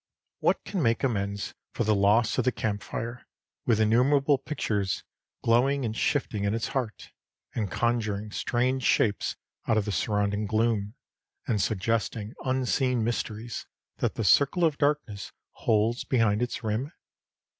What can make amends for the loss of the camp fire, with innumerable pictures glowing and shifting in its heart, and conjuring strange shapes out of the surrounding gloom, and suggesting unseen mysteries that the circle of darkness holds behind its rim?